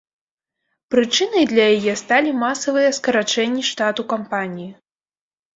Прычынай для яе сталі масавыя скарачэнні штату кампаніі.